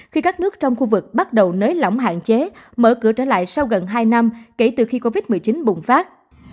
khi các nước trong khu vực bắt đầu nới lỏng hạn chế mở cửa trở lại sau gần hai năm kể từ khi covid một mươi chín bùng phát